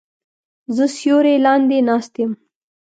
زه سیوری لاندې ناست یم